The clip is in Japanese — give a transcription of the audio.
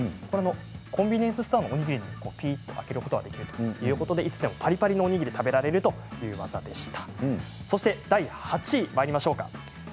コンビニエンスストアのおにぎりのようにぴっと開けることができるということで、いつでもパリパリのおにぎりが食べられる技でした。